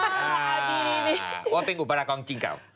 ถึงว่าเป็นอุปรากรามจริงแหละ